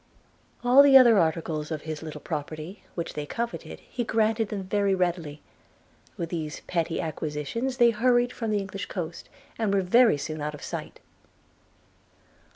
All the other articles of his little property, which they coveted, he granted them very readily: with these petty acquisitions they hurried from the English coast, and were very soon out of sight.